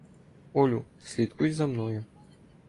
— Олю, слідкуй за мною.